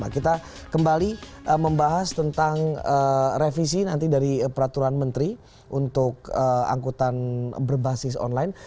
kita kembali membahas tentang revisi nanti dari peraturan menteri untuk angkutan berbasis online